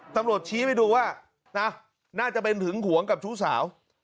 ตำรวจชี้ไปดูว่านะน่าจะเป็นหึงหวงกับชู้สาว